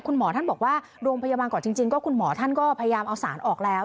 คุณหมอท่านบอกว่าโรงพยาบาลก่อนจริงก็คุณหมอท่านก็พยายามเอาสารออกแล้ว